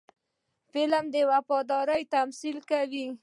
فلم د وفادارۍ تمثیل کوي